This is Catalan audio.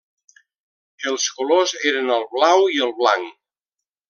Els colors eren el blau i el blanc.